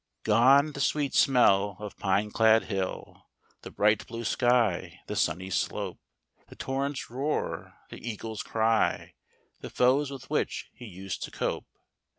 Gone the sweet smell of pine clad hill, The bright blue sky, the sunny slope, The torrent's roar, the eagle's cry, The foes with which he used to cope.